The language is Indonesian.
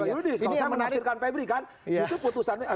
kalau saya menafsirkan febri kan itu putusannya